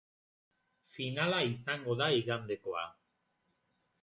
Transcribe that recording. Finala izango da igandekoa.